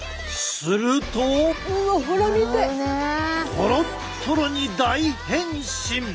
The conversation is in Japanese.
するとトロットロに大変身！